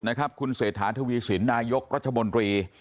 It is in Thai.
นะครับคุณเศรษฐาทวีสินนายกรัฐมนตรี